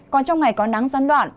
còn trong ngày có nắng giăn đoạn